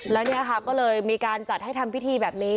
แล้วเนี่ยค่ะก็เลยมีการจัดให้ทำพิธีแบบนี้